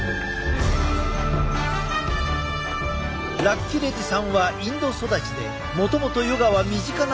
ラッキレディさんはインド育ちでもともとヨガは身近な存在だったという。